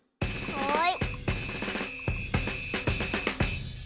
はい！